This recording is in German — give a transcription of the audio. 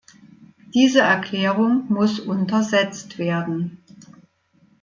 Diese Erklärung muss untersetzt werden.